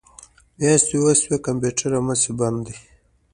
میاشتې وشوې کمپیوټر هماسې بند دی